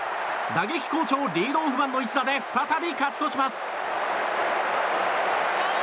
打撃好調リードオフマンの一打で再び勝ち越します。